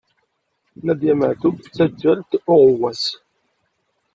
Nadiya Meɛtub, taǧǧalt n uɣewwaɣ.